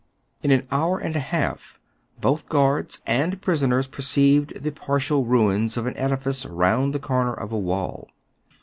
In an hour and a half both guards and prisoners perceived the partial ruins of an edifice round the corner of a wall.